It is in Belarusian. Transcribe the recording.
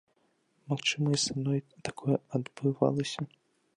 Магчыма, і са мной такое адбывалася.